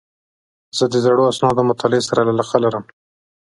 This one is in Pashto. زه د زړو اسنادو مطالعې سره علاقه لرم.